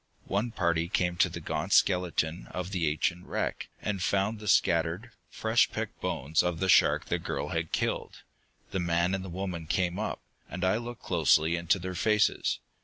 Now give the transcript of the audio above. One party came to the gaunt skeleton of the ancient wreck, and found the scattered, fresh picked bones of the shark the girl had killed. The man and the woman came up, and I looked closely into their faces.